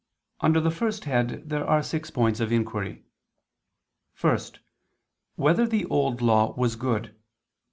Under the first head there are six points of inquiry: (1) Whether the Old Law was good?